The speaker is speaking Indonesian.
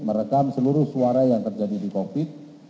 merekam seluruh suara yang terjadi di koktik